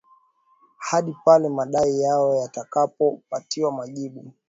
hadi pale madai yao yatakapo patiwa majibu